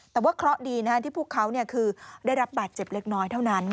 แต่ว่าเคราะห์ดีที่พวกเขาคือได้รับบาดเจ็บเล็กน้อยเท่านั้น